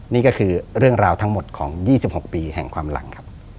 นี่ก็คือเรื่องราวทั้งหมดของ๒๖ปีแห่งความหลังครับ